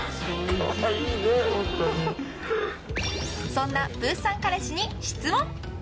そんなプーさん彼氏に質問。